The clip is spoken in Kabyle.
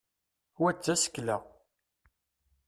wa d tasekla